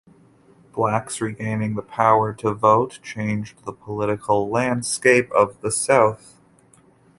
Blacks' regaining the power to vote changed the political landscape of the South.